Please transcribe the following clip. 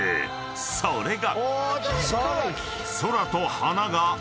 ［それが］